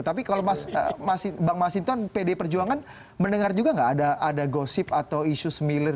tapi kalau bang masinton pd perjuangan mendengar juga nggak ada gosip atau isu semilir